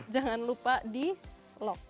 jangan lupa di lock